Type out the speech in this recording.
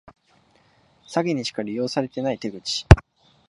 詐欺にしか利用されてない手口